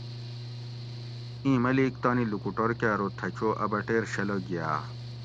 ایں ملیک تانی لوکوٹور کہ ارو تھہ چو اۤ بٹیر شلہ گھیا